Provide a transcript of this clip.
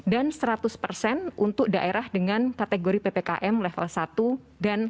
di daerah dengan kategori ppkm level satu dan dua